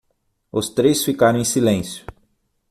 Os três ficaram em silêncio.